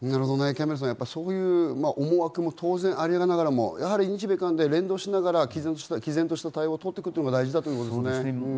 キャンベルさん、そういう思惑も当然ありながらも日米韓で連動しながら毅然とした態度をとっていくのが大事だということですね。